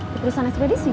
di perusahaan spd sih